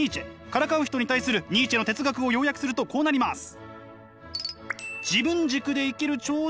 からかう人に対するニーチェの哲学を要約するとこうなります。